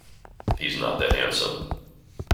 He's not that handsome.